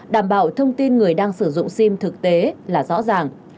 đảm bảo thông tin người đang sử dụng sim thực tế là rõ ràng